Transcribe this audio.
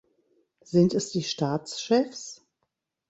Sind es die Staatschefs?